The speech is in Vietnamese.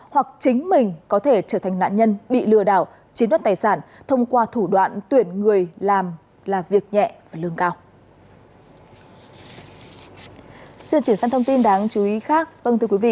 hoặc chính mình có thể trở thành nạn nhân bị lừa đảo chiếm đoạt tài sản thông qua thủ đoạn tuyển người làm là việc nhẹ và lương cao